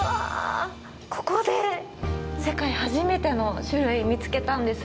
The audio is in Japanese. ここで世界初めての種類見つけたんですね。